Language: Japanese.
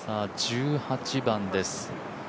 １８番です。